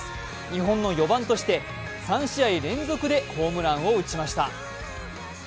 日本の４番として３試合連続でホームランを打ちました。